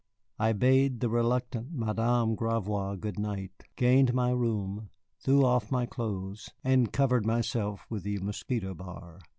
I bade the reluctant Madame Gravois good night, gained my room, threw off my clothes, and covered myself with the mosquito bar.